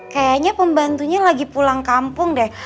kayaknya pembantunya lagi pulang kampung deh